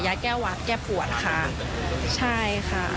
แก้วัดแก้ปวดค่ะใช่ค่ะ